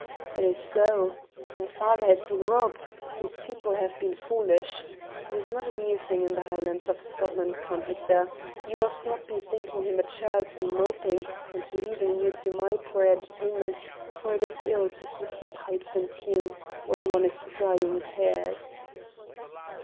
"It is so. My father has been robbed; his people have been foolish; it is not a new thing in the Highlands of Scotland, Count Victor. You must not be thinking him a churl to be moping and leaving you to my poor entertainment, for it is ill to keep the pipes in tune when one is drying tears."